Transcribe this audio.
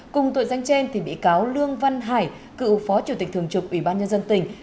cùng tội danh trên bị cáo lương văn hải cựu phó chủ tịch thường trực ủy ban nhân dân tỉnh